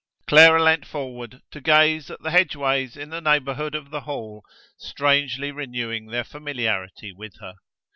Clara leaned forward to gaze at the hedgeways in the neighbourhood of the Hall strangely renewing their familiarity with her.